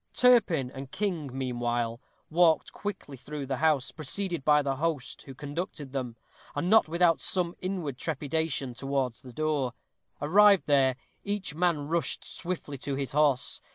Turpin and King, meanwhile, walked quickly through the house, preceded by the host, who conducted them, and not without some inward trepidation, towards the door. Arrived there, each man rushed swiftly to his horse.